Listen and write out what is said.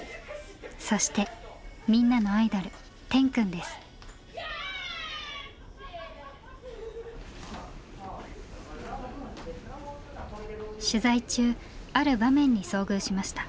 そしてみんなのアイドル取材中ある場面に遭遇しました。